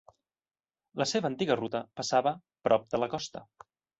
La seva antiga ruta passava prop de la costa.